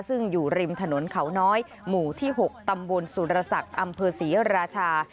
ซึ่งอยู่ริมถนนเขาน้อยหมู่ที่๖ตำบลสุรศักดิ์อำเภอศรีราชา